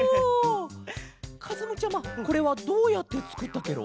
かずむちゃまこれはどうやってつくったケロ？